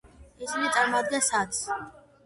ისინი წარმოადგენს ათს.